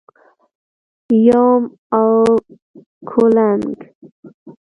🪏 یوم او کولنګ⛏️